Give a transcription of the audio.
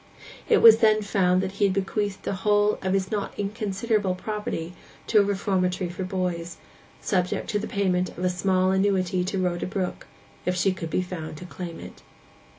It was then found that he had bequeathed the whole of his not inconsiderable property to a reformatory for boys, subject to the payment of a small annuity to Rhoda Brook, if she could be found to claim it.